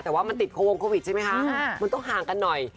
แต่ว่ามันติดโควงโควิดใช่ไหมคะมันต้องห่างกันหน่อย